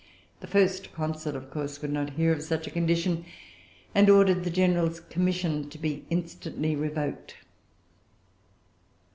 The First Consul, of course, would not hear of such a condition, and ordered the general's commission to be instantly revoked.